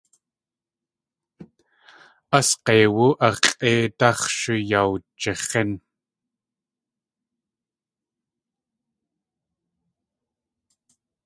Asg̲eiwú a x̲ʼéidáx̲ shuyawjix̲ín.